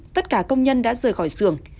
tất cả công nhân đã rời khỏi xưởng